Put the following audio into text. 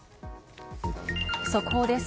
速報です。